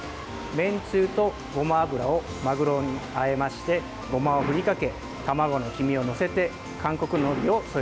めんつゆとごま油をマグロにあえましてごまを振りかけ卵の黄身を載せて韓国のりを添えてあります。